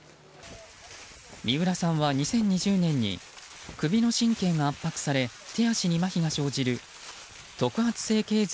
三浦さんは２０２０年に首の神経が圧迫され手足にまひが生じる特発性頸椎